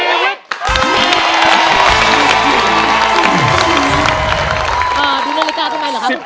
คุณนาฬิกาทำไมเหรอครับ